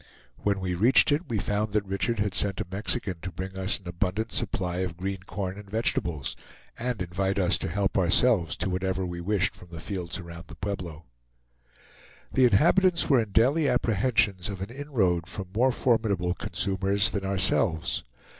When we reached it, we found that Richard had sent a Mexican to bring us an abundant supply of green corn and vegetables, and invite us to help ourselves to whatever we wished from the fields around the Pueblo. The inhabitants were in daily apprehensions of an inroad from more formidable consumers than ourselves.